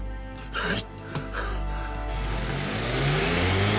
はい。